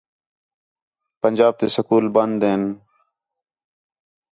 پنجاب تے سکول بند ہِن